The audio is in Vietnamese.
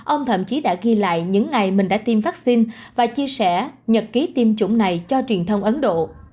ông thậm chí đã ghi lại những ngày mình đã tiêm vaccine và chia sẻ nhật ký tiêm chủng này cho truyền thông ấn độ